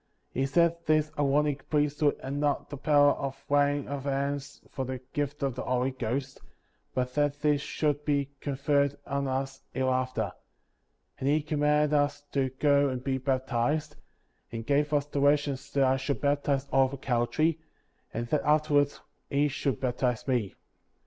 He said this Aaronic Priesthood had not the power of laying on hands for the gift of the Holy Ghost, but that this should be conferred on us here after; and he comihanded us to go and be baptized, and gave us directions that I should baptize Oliver Cowdery, and that afterwards he should baptize me.